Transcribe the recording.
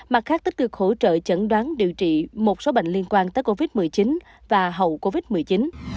mặt khác tích cực hỗ trợ chẩn đoán điều trị một số bệnh liên quan tới covid một mươi chín và hậu covid một mươi chín